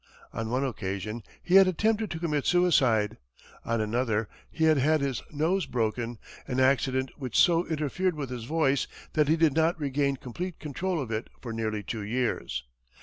On one occasion he had attempted to commit suicide. On another, he had had his nose broken, an accident which so interfered with his voice that he did not regain complete control of it for nearly two years.